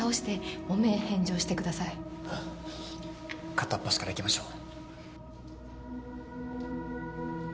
片っ端から行きましょう。